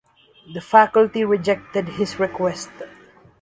The faculty rejected his request.